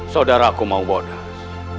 saudaraku mau bodas